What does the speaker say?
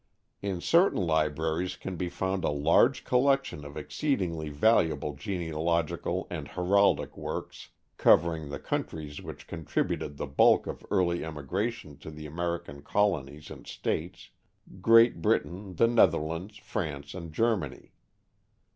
In certain libraries can be found a large collection of exceedingly valuable genealogical and heraldic works covering the countries which contributed the bulk of early emigration to the American colonies and States Great Britain, the Netherlands, France, and Germany.